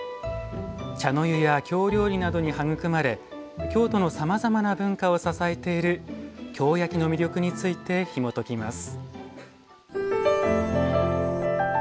茶の湯や京料理などに育まれ京都のさまざまな文化を支えている京焼の魅力についてひもときます。